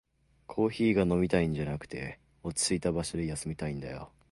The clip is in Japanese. コーヒーが飲みたいんじゃなくて、落ちついた場所で休みたいんだよ